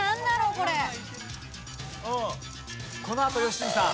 このあと吉住さん。